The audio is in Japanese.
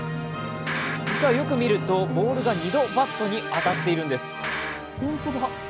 よく見ると、ボールが２度バットに当たっているんです。